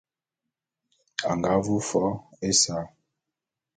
A nga vu fo’o ésa.